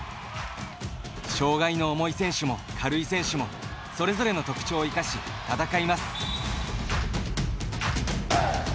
障がいの重い選手も、軽い選手もそれぞれの特徴を生かし戦います。